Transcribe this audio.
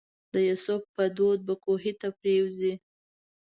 د یوسف په دود به کوهي ته پرېوځي.